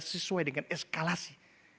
sesuai dengan eskalasi